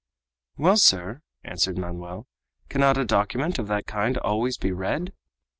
"Well, sir," answered Manoel, "cannot a document of that kind always be read?"